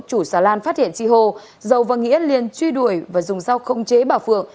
chủ xà lan phát hiện tri hô giàu và nghiễn liên truy đuổi và dùng sao không chế bà phượng